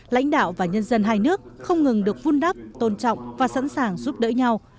lãnh đạo và nhân dân hai nước không ngừng được vun đắp tôn trọng và sẵn sàng giúp đỡ nhau